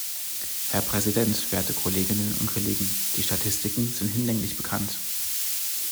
Herr Präsident, werte Kolleginnen und Kollegen! Die Statistiken sind hinlänglich bekannt.